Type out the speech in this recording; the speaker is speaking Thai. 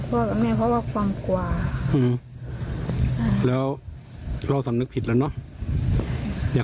พ่อกับแม่เพราะว่าความกลัวแล้วเราสำนึกผิดแล้วเนอะเนี่ย